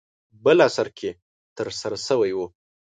بل عصر کې ترسره شوی و.